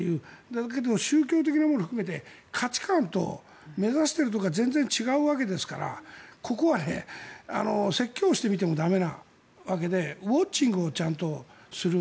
だけど、宗教的なものを含めて価値観と目指しているところが全然違うわけですからここは説教をしてみても駄目なわけでウォッチングをちゃんとする。